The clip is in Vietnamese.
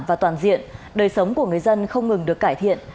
và toàn diện đời sống của người dân không ngừng được cải thiện